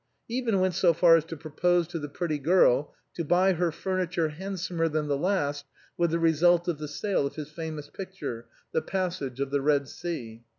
He even went so far as to pro pose to the pretty girl to buy her furniture handsomer than the last with the result of the sale of his famous picture " The Passage of the Eed Sea."